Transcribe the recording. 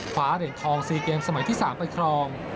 คว้าเหรียญทอง๔เกมสมัยที่๓ไปครอง